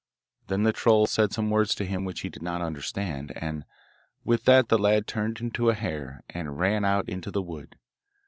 Then the troll said some words to him which he did not understand, and with that the lad turned into a hare, and ran out into the wood.